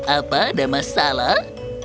apa ada masalah